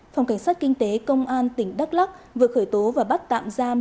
phòng cảnh sát kinh tế công an tỉnh đắk lắc vừa khởi tố và bắt tạm giam